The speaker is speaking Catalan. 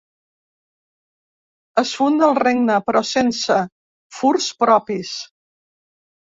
Es funda el regne, però sense furs propis.